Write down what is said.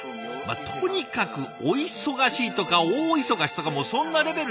とにかくお忙しいとか大忙しとかもうそんなレベルじゃない。